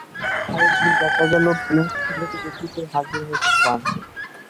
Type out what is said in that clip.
তাই একদিন দেখা গেল, প্রিন্স খুঁজে খুঁজে ঠিকই হাজির হয়েছে ফ্রান্সে।